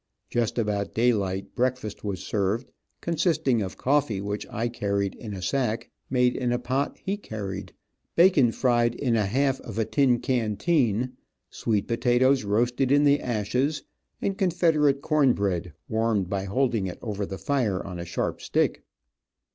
Just about daylight breakfast was served, consisting of coffee, which I carried in a sack, made in a pot he carried, bacon fried in a half of a tin canteen, sweet potatoes roasted in the ashes, and Confederate corn bread, warmed by holding it over the fire on a sharp stick.